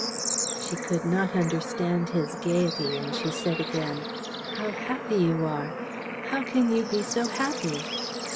She could not understand his gaiety; and she said again: "How happy you are! How can you be so happy?"